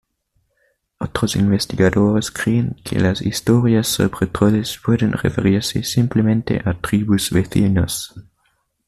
Otros investigadores creen que las historias sobre troles pueden referirse simplemente a tribus vecinas.